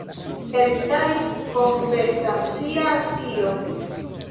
Elstaris konversacia stilo.